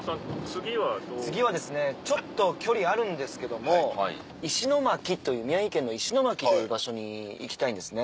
次はですねちょっと距離あるんですけども石巻という宮城県の石巻という場所に行きたいんですね。